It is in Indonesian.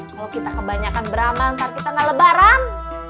kalau kita kebanyakan beramal ntar kita gak lebaran